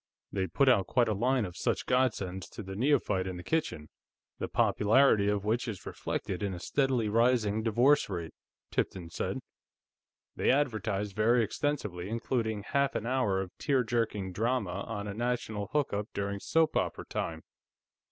"They put out quite a line of such godsends to the neophyte in the kitchen, the popularity of which is reflected in a steadily rising divorce rate," Tipton said. "They advertise very extensively, including half an hour of tear jerking drama on a national hookup during soap opera time.